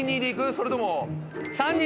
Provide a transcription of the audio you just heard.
それとも。